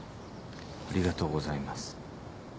ありがとうございます。